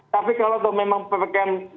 tapi kalau memang ppkm